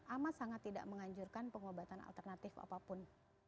amat sangat tidak menganjurkan pengobatan alternatif apapun